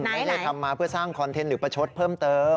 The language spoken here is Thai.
ไม่ได้ทำมาเพื่อสร้างคอนเทนต์หรือประชดเพิ่มเติม